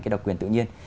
cái độc quyền tự nhiên